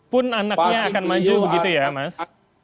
pun anaknya akan maju gitu ya mas